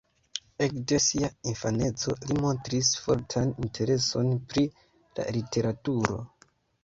Ekde sia infaneco li montris fortan intereson pri la literaturo.